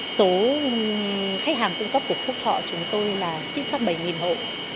số khách hàng cung cấp của phúc thọ chúng tôi là xích sắp bảy hộ